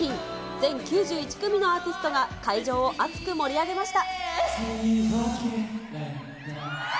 全９１組のアーティストが会場を熱く盛り上げました。